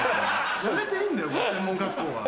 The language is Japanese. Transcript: やめていいんだよ専門学校は。